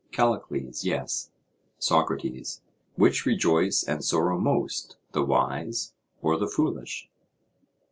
CALLICLES: Yes. SOCRATES: Which rejoice and sorrow most—the wise or the foolish?